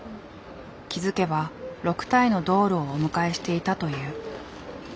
気付けば６体のドールをお迎えしていたという。